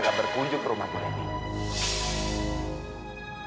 gak berkunjung ke rumah bu lenny